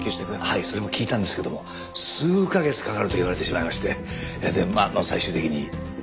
はいそれも聞いたんですけども数カ月かかると言われてしまいましてまあ最終的にこちらに。